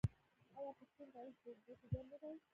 آیا پښتون د تاریخ په اوږدو کې ژوندی نه دی؟